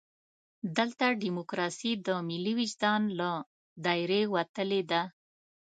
دلته ډیموکراسي د ملي وجدان له دایرې وتلې ده.